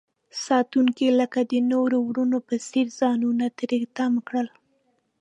ساتونکي لکه د نورو ورونو په څیر ځانونه تری تم کړل.